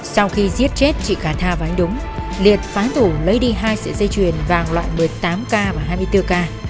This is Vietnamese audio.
sau khi giết chết chị cả tha và anh đúng liệt phái thủ lấy đi hai sợi dây chuyền vàng loại một mươi tám k và hai mươi bốn k